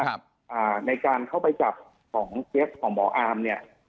อ่าในการเข้าไปจับของเจฟของหมออามเนี่ย